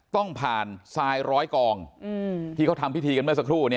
ต้องผ่านทรายร้อยกองที่เขาทำพิธีกันเมื่อสักครู่